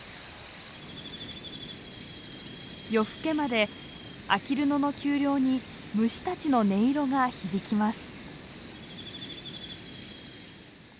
夜更けまであきる野の丘陵に虫たちの音色が響きます。